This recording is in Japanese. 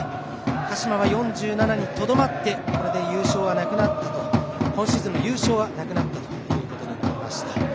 鹿島は４７にとどまって今シーズンは優勝はなくなったということになりました。